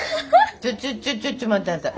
ちょちょっと待ってあんた。